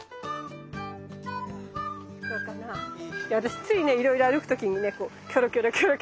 私ついねいろいろ歩く時にねこうキョロキョロキョロキョロね